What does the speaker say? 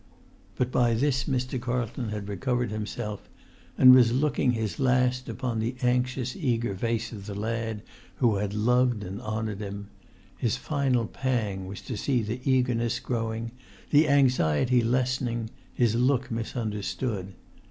But by this Mr. Carlton had recovered himself, and was looking his last upon the anxious eager face of the lad who had loved and honoured him: his final pang was to see the eagerness growing, the anxiety lessening, his look misunderstood.